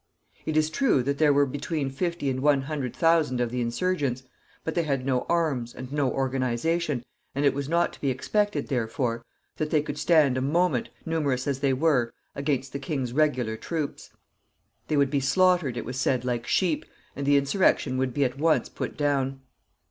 It is true that there were between fifty and one hundred thousand of the insurgents; but they had no arms, and no organization, and it was not to be expected, therefore, that they could stand a moment, numerous as they were, against the king's regular troops. They would be slaughtered, it was said, like sheep, and the insurrection would be at once put down.